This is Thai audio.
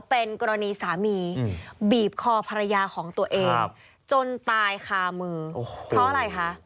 เป็นกรณีสามีบีบคอภรรยาของตัวเองจนตายคามือเพราะอะไรคะ